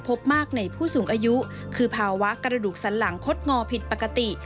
พบมากในผู้สูงอายุคือภาวะกระดูกสันหลังคดงอผิดปกติ